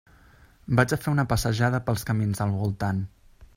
Vaig a fer una passejada pels camins del voltant.